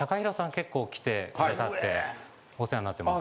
結構来てくださってお世話になってます。